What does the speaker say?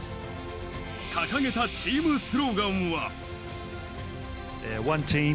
掲げたチームスローガンは。